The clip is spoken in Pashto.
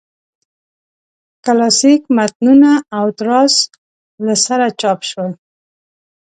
کلاسیک متنونه او تراث له سره چاپ شول.